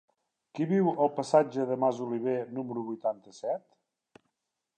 Qui viu al passatge de Masoliver número vuitanta-set?